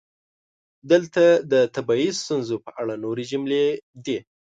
دلته د طبیعي ستونزو په اړه نورې جملې دي: